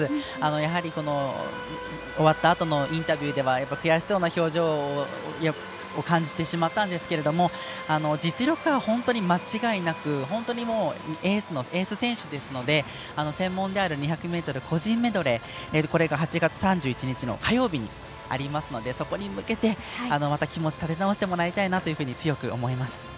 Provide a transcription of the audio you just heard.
やはり、終わったあとのインタビューでは悔しそうな表情に感じてしまったんですが実力は本当に間違いなく本当にエース選手ですので専門である２００ｍの個人メドレーでもこれが８月３１日火曜日にありますので、そこに向けてまた気持ちを立て直してもらいたいと強く思います。